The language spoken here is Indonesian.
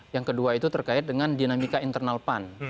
yang kedua itu terkait dengan dinamika internal pan